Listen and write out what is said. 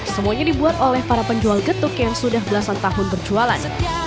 semuanya dibuat oleh para penjual getuk yang sudah belasan tahun berjualan